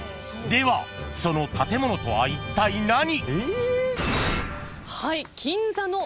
ではその建物とはいったい何？］